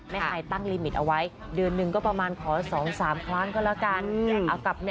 ใครตั้งลิมิตเอาไว้เดือนหนึ่งก็ประมาณขอ๒๓ครั้งก็แล้วกัน